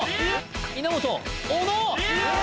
稲本小野！